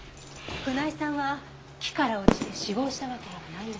船井さんは木から落ちて死亡したわけではないようです。